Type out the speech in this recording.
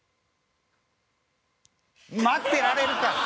待ってられるか！